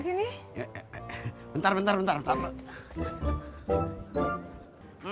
kambingnya langit saya nggak bisa jalan deh kambing siapa sih ini